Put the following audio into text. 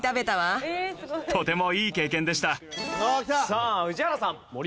さあ宇治原さん。